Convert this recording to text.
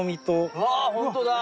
うわホントだ！